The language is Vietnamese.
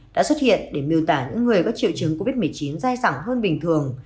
đã xuất hiện để miêu tả những người có triệu chứng covid một mươi chín dai dẳng hơn bình thường